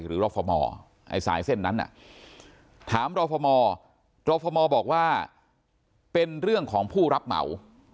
รฟมไอ้สายเส้นนั้นถามรฟมรฟมบอกว่าเป็นเรื่องของผู้รับเหมา